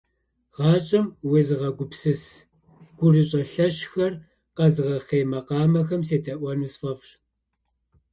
ГъащӀэм уезыгъэгупсыс, гурыщӀэ лъэщхэр къэзыгъэхъей макъамэхэм седэӀуэну сфӀэфӀщ.